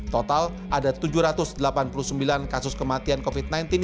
total ada tujuh ratus delapan puluh sembilan kasus kematian covid sembilan belas